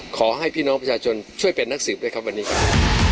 ขอให้พี่น้องประชาชนช่วยเป็นนักสืบด้วยครับวันนี้ก่อน